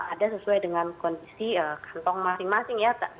ada sesuai dengan kondisi kantong masing masing ya